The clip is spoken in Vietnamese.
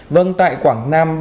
vâng tại quảng nam